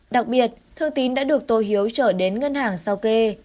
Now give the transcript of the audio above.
đặc biệt thường tín đã được tô hiếu trở đến ngân hàng sau kê